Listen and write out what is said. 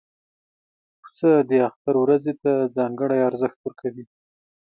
پسه د اختر ورځې ته ځانګړی ارزښت ورکوي.